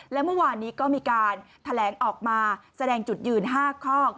และเมื่อวานนี้ก็มีการแถลงออกมาแสดงจุดยืน๕ข้อ